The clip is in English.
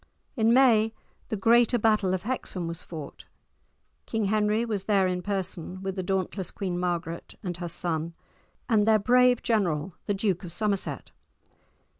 In May the greater battle of Hexham was fought. King Henry was there in person, with the dauntless Queen Margaret and her son, and their brave general, the Duke of Somerset.